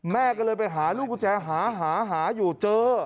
แม่ก็เลยไปหาลูกกุญแจหาหาอยู่เจอ